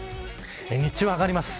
日中は上がります。